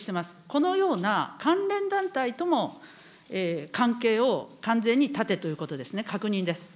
このような関連団体とも関係を完全に断てということですね。